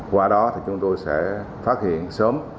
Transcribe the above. qua đó chúng tôi sẽ phát hiện sớm